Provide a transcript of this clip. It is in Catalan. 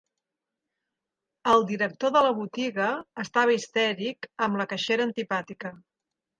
El director de la botiga estava histèric amb la caixera antipàtica.